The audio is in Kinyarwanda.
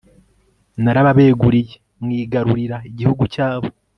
narababeguriye, mwigarurira igihugu cyabo